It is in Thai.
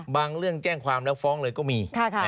เรื่องแจ้งความแล้วฟ้องเลยก็มี